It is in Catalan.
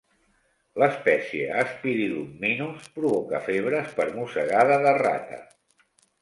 L'espècie "Spirillum minus" provoca febres per mossegada de rata.